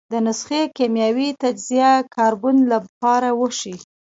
د نسخې کیمیاوي تجزیه کاربن له پاره وشي.